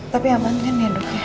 tapi aman kan hidupnya